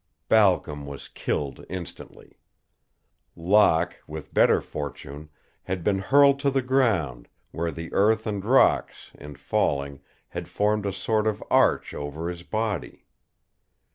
Balcom was killed instantly. Locke, with better fortune, had been hurled to the ground, where the earth and rocks, in falling, had formed a sort of arch over his body.